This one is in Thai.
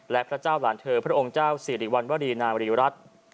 และพระเจ้าหลานเธอพระองค์เจ้าสิริวัณวรีนามรีรัฐ